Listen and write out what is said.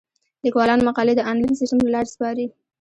لیکوالان مقالې د انلاین سیستم له لارې سپاري.